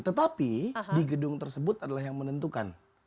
tetapi di gedung tersebut adalah yang menentukan